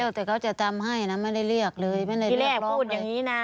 เร็วแต่เขาจะตามให้นะไม่ได้เรียกเลยไม่ได้เรียกหรอกเลยที่แรกพูดอย่างงี้น่ะ